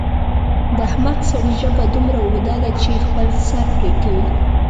د احمق سړي ژبه دومره اوږده ده چې خپل سر پرې کوي.